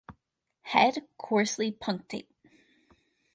Head coarsely punctate.